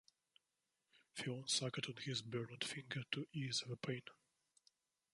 Fionn sucked on his burned finger to ease the pain.